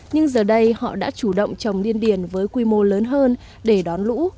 nhưng giờ đây họ đã chủ động trồng điên điền với quy mô lớn hơn để đón lũ